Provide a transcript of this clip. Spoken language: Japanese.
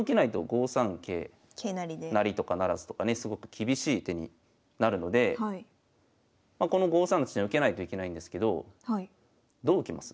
５三桂成とか不成とかねすごく厳しい手になるのでこの５三の地点受けないといけないんですけどどう受けます？